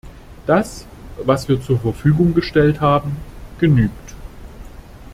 Das, was wir zur Verfügung gestellt haben, genügt.